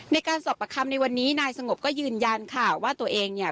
ในการสอบประคำในวันนี้นายสงบก็ยืนยันค่ะว่าตัวเองเนี่ย